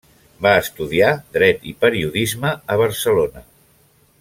Va estudiar Dret i Periodisme a Barcelona.